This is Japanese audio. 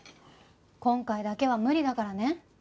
今回だけは無理だからね。